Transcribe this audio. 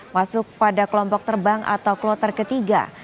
masuk pada kelompok terbang atau kloter ketiga